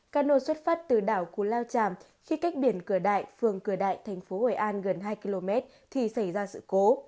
các nô xuất phát từ đảo cú lao chàm khi cách biển cửa đại phường cửa đại thành phố hội an gần hai km thì xảy ra sự cố